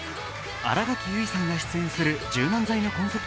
新垣結衣さんが出演する柔軟剤のコンセプト